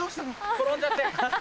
転んじゃって。